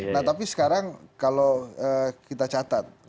nah tapi sekarang kalau kita catat